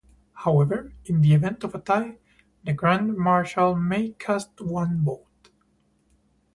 However, in the event of a tie, the Grand Marshal may cast one vote.